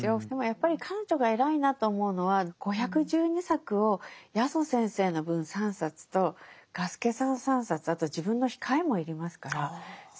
でもやっぱり彼女が偉いなと思うのは５１２作を八十先生の分３冊と雅輔さん３冊あと自分の控えも要りますから。